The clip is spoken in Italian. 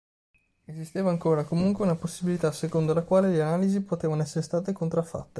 Esisteva ancora, comunque, una possibilità secondo la quale le analisi potevano essere state contraffatte.